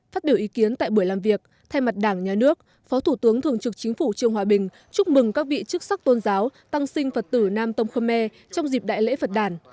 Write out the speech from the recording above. phát biểu ý kiến tại buổi làm việc thay mặt đảng nhà nước phó thủ tướng thường trực chính phủ trương hòa bình chúc mừng các vị chức sắc tôn giáo tăng sinh phật tử nam tông khơ me trong dịp đại lễ phật đàn